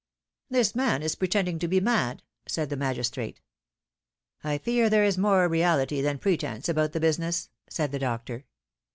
"" This man is pretending to be mad," said the magistrate. " I fear there is more reality than pretence about the busi ness," said the doctor.